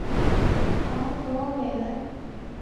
昂格维莱。